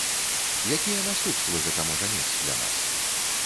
Якія наступствы гэта можа мець для нас?